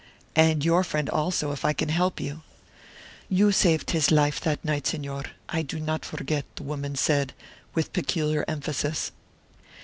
"And your friend also, if I can help you." "You saved his life that night, Señor; I do not forget," the woman said, with peculiar emphasis.